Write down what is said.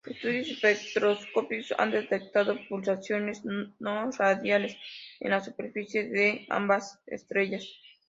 Estudios espectroscópicos han detectado pulsaciones no-radiales en la superficie de ambas estrellas.